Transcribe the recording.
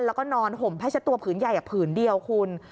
แล้วก็นอนห่มให้เช็ดตัวผืนใหญ่ผืนเดียวคุณ